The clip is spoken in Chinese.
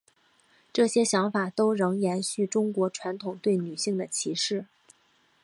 这些想法都仍延续中国传统对女性的歧视。